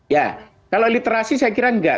ya kalau literasi saya kira enggak